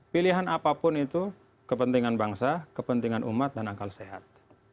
pilihan apapun itu kepentingan bangsa kepentingan umat dan akal sehat